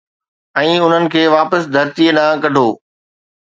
۽ انھن کي واپس ڌرتيءَ ڏانھن ڪڍو